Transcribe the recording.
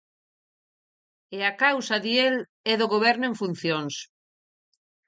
E a causa, di el, é do goberno en funcións.